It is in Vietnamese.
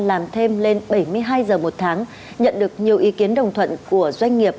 làm thêm lên bảy mươi hai giờ một tháng nhận được nhiều ý kiến đồng thuận của doanh nghiệp